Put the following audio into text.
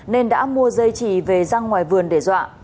nên đã mua dây chỉ về giang ngoài vườn để dọa